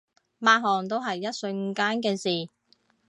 抹汗都係一瞬間嘅事